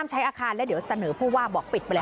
หลบ